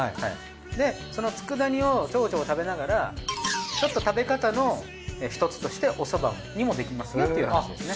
でその佃煮をちょこちょこ食べながらちょっと食べ方の一つとしておそばにもできますよっていう話ですね。